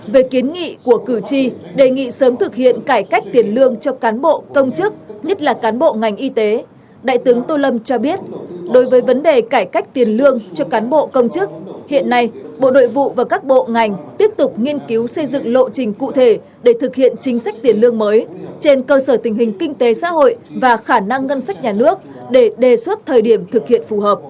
về kiến nghị của cử tri đề nghị sớm thực hiện cải cách tiền lương cho cán bộ công chức nhất là cán bộ ngành y tế đại tướng tô lâm cho biết đối với vấn đề cải cách tiền lương cho cán bộ công chức hiện nay bộ đội vụ và các bộ ngành tiếp tục nghiên cứu xây dựng lộ trình cụ thể để thực hiện chính sách tiền lương mới trên cơ sở tình hình kinh tế xã hội và khả năng ngân sách nhà nước để đề xuất thời điểm thực hiện